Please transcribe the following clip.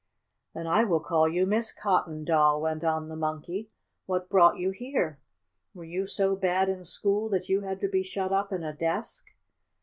"Then I will call you Miss Cotton Doll," went on the Monkey. "What brought you here? Were you so bad in school that you had to be shut up in a desk?"